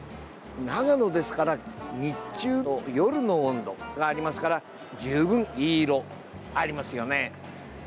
長野ですから日中と夜の温度がありますから十分いい色ありますよね。